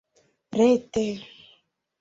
rete